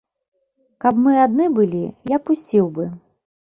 Каб мы адны былі, я пусціў бы.